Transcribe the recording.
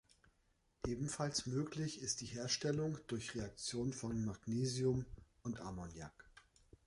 Ebenfalls möglich ist die Herstellung durch Reaktion von Magnesium und Ammoniak.